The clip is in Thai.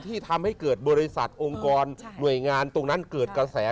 ที่ทำให้เกิดบริษัทองค์กรหน่วยงานตรงนั้นเกิดกระแส